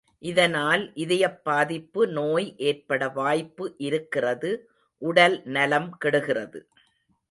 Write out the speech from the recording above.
இதனால் இதயப் பாதிப்பு நோய் ஏற்பட வாய்ப்பு இருக்கிறது உடல் நலம்கெடுகிறது.